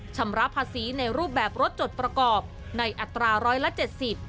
ชำระภาษีในรูปแบบรถจดประกอบในอัตราร้อยละเจ็ดสิบ